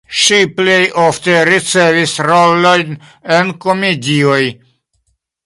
Ŝi plej ofte ricevis rolojn en komedioj.